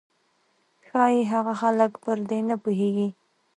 ښايي هغه خلک به پر دې نه پوهېږي.